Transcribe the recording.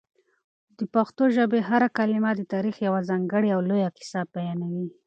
د پښتو ژبې هره کلمه د تاریخ یوه ځانګړې او لویه کیسه بیانوي.